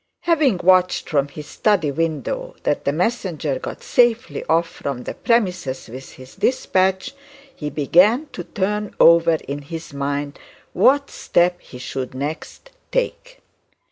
Having watched from his study window that the messenger got safely off the premises with this despatch, he began to turn over in his mind what step he should next take.